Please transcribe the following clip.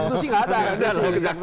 oh nggak ada